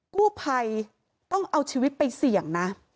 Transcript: กู้ภัยต้องเอาชีวิตไปเสี่ยงนะ